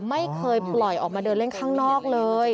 ไม่เคยปล่อยออกมาเดินเล่นข้างนอกเลย